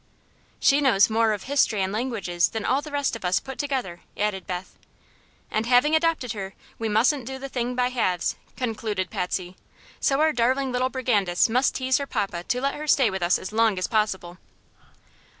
"She knows more of history and languages than all the rest of us put together," added Beth. "And, having adopted her, we mustn't do the thing by halves," concluded Patsy; "so our darling little brigandess must tease her papa to let her stay with us as long as possible."